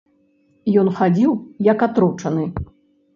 Ён хадзіў, як атручаны.